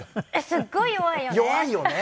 すごい弱いよね。